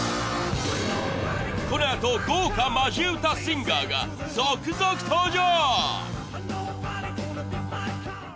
このあと豪華マジ歌シンガーが続々登場。